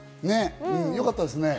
よかったですね。